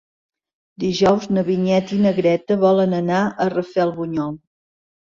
Dijous na Vinyet i na Greta volen anar a Rafelbunyol.